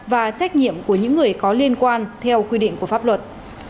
và trách nhiệm của những người có liên quan theo quy định của pháp luật